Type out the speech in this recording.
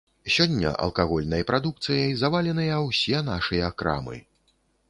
Сёння алкагольнай прадукцыяй заваленыя ўсе нашыя крамы.